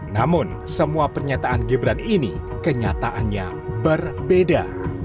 namun semua pernyataan gibran ini kenyataannya berbeda